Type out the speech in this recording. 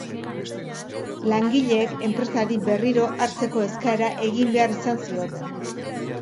Langileek enpresari berriro hartzeko eskaera egin behar izan zioten.